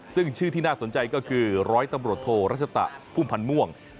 ซึ่งชื่อที่น่าสนใจก็คือร้อยตำรวจโทรัชตะพุ่มพันธ์ม่วง